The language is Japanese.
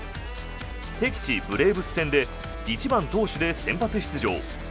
敵地ブレーブス戦で１番投手で先発出場。